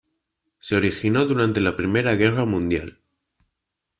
Se originó durante la Primera Guerra Mundial.